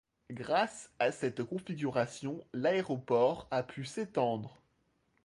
Grâce à cette configuration, l'aéroport a pu s'étendre.